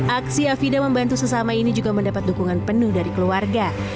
aksi afida membantu sesama ini juga mendapat dukungan penuh dari keluarga